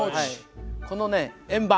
この円盤。